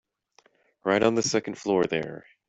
Right on the second floor there.